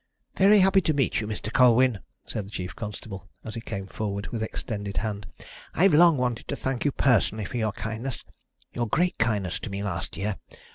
"Very happy to meet you, Mr. Colwyn," said the chief constable, as he came forward with extended hand. "I've long wanted to thank you personally for your kindness your great kindness to me last year.